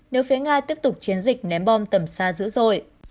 nếu phía nga tiếp tục chiến dịch ném bom tầm xa dữ dội